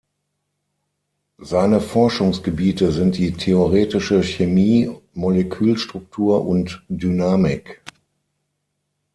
Sein Forschungsgebiete sind die theoretische Chemie, Molekülstruktur und -dynamik.